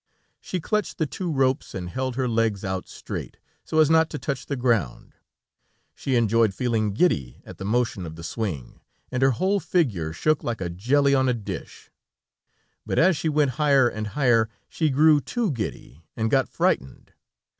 She clutched the two ropes, and held her legs out straight, so as not to touch the ground. She enjoyed feeling giddy at the motion of the swing, and her whole figure shook like a jelly on a dish, but as she went higher and higher, she grew too giddy and got frightened.